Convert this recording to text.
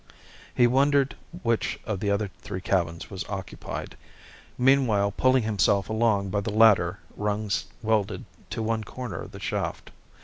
He wondered which of the other three cabins was occupied, meanwhile pulling himself along by the ladder rungs welded to one corner of the shaft.